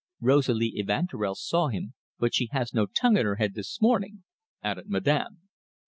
Rosalie Evanturel saw him, but she has no tongue in her head this morning," added Madame.